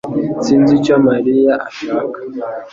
Sinzi icyo Mariya ashaka